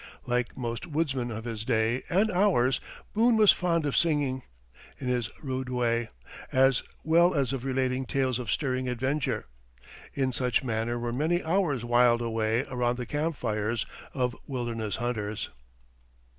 Like most woodsmen of his day and ours, Boone was fond of singing, in his rude way, as well as of relating tales of stirring adventure. In such manner were many hours whiled away around the camp fires of wilderness hunters.